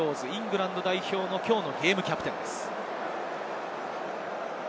イングランド代表の今日のゲームキャプテンです。